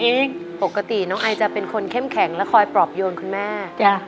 ปกติน้องไอจะเป็นคนเข้มแข็งและคอยปลอบโยนคุณแม่จ้ะ